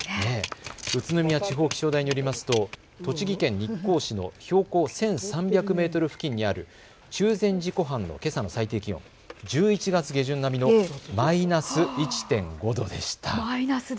宇都宮地方気象台によると栃木県日光市の標高１３００メートル付近にある中禅寺湖畔のけさの最低気温はマイナス１．５度でした。